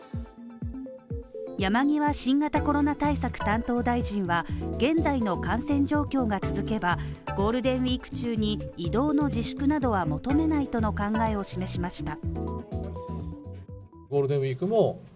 山際新型コロナ対策担当大臣は現在の感染状況が続けば、ゴールデンウィーク中に移動の自粛などは求めないとの考えを示しました。